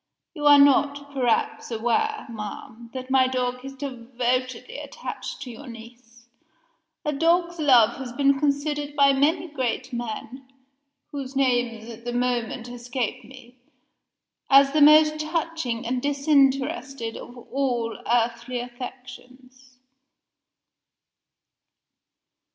"You are not, perhaps, aware, ma'am, that my dog is devotedly attached to your niece. A dog's love has been considered by many great men (whose names at the moment escape me) as the most touching and disinterested of all earthly affections."